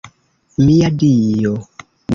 Mia Dio!